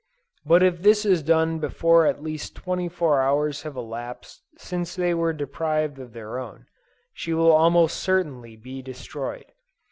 But if this is done before at least 24 hours have elapsed since they were deprived of their own, she will almost certainly be destroyed.